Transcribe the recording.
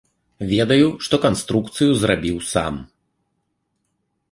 Ведаю, што канструкцыю зрабіў сам.